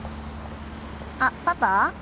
あっパパ？